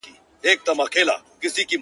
رویباری د بېګانه خلکو تراب کړم-